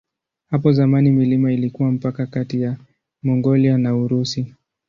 Hapo zamani milima ilikuwa mpaka kati ya Mongolia na Urusi.